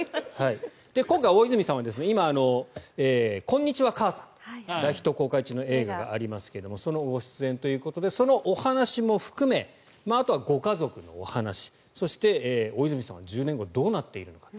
今回、大泉さんは今、「こんにちは、母さん」大ヒット公開中の映画がありますがそのご出演ということでそのお話も含めあとはご家族のお話そして、大泉さんは１０年後、どうなっているのか。